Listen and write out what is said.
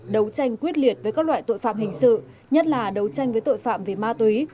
đấu tranh quyết liệt với các loại tội phạm hình sự nhất là đấu tranh với tội phạm về ma túy